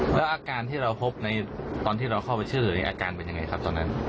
แล้วอาการที่เราพบในตอนที่เราเข้าไปชื่อนี้อาการเป็นยังไงครับตอนนั้น